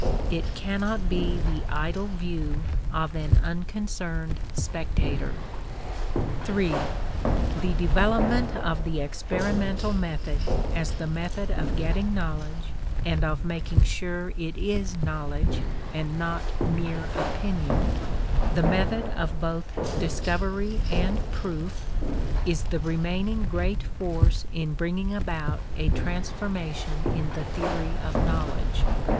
It cannot be the idle view of an unconcerned spectator. (iii) The development of the experimental method as the method of getting knowledge and of making sure it is knowledge, and not mere opinion the method of both discovery and proof is the remaining great force in bringing about a transformation in the theory of knowledge.